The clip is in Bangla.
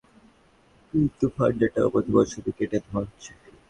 কিন্তু, ফান্ডের টাকা প্রতি বছরই কেটে নেয়া হচ্ছে।